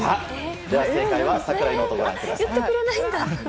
では正解は櫻井ノートをご覧ください。